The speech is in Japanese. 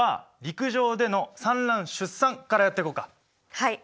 はい。